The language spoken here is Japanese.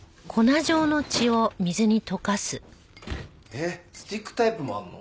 えっスティックタイプもあるの？